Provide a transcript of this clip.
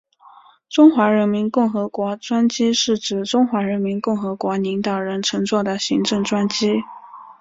中华人民共和国专机是指中华人民共和国领导人乘坐的行政专机。